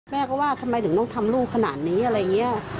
แม่ก็ว่าทำไมถึงต้องทำลูกขนาดนี้อะไรอย่างนี้